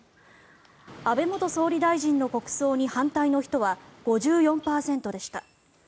安倍元総理大臣の国葬に反対の人は５４％でした。